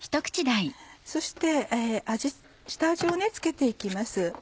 そして下味を付けて行きます。